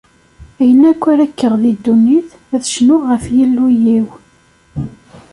Ayen akk ara kkeɣ di ddunit, ad cnuɣ ɣef Yillu-iw.